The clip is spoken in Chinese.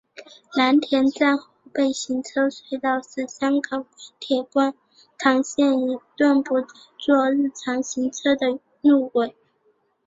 蓝田站后备行车隧道是香港港铁观塘线一段不再作日常行车用的路轨。